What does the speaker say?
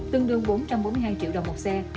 tương đương bốn trăm bốn mươi hai triệu đồng một xe